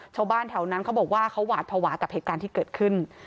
ชาวบ้านแถวนั้นเขาบอกว่าเขาหวาดภาวะกับเหตุการณ์ที่เกิดขึ้น